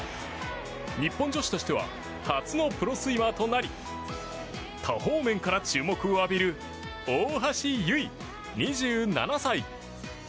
日本女子としては初のプロスイマーとなり多方面から注目を浴びる大橋悠依、２７歳。